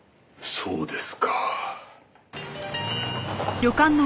そうです。